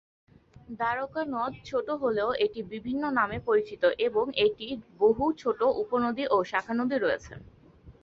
দ্বারকা নদ ছোটো হলেও এটি বিভিন্ন নামে পরিচিত এবং এটির বহু ছোটো উপনদী ও শাখানদী রয়েছে।